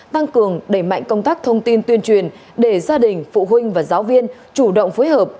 tăng cường đẩy mạnh công tác thông tin tuyên truyền để gia đình phụ huynh và giáo viên chủ động phối hợp